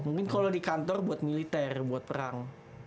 mungkin kalau di kantor buat militer buat perang